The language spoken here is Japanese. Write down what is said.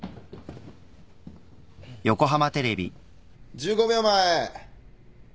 １５秒前。